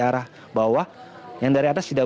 arah bawah yang dari atas sudah